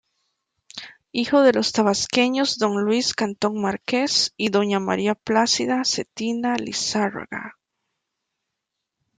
Hijo de los tabasqueños Don Luis Cantón Márquez y Doña María Plácida Zetina Lizárraga.